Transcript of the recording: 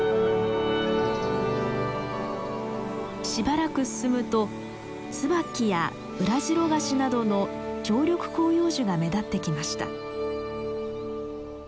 しばらく進むとツバキやウラジロガシなどの常緑広葉樹が目立ってきました。